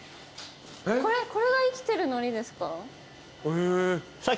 これが生きてる海苔ですか？